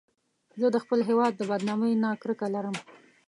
زه د خپل هېواد د بدنامۍ نه کرکه لرم